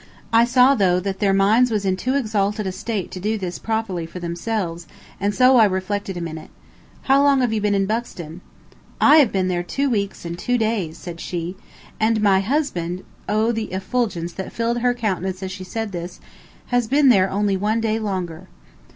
I saw, though, that their minds was in too exalted a state to do this properly for themselves, and so I reflected a minute. "How long have you been in Buxton?" "I have been there two weeks and two days," said she, "and my husband" oh, the effulgence that filled her countenance as she said this "has been there one day longer."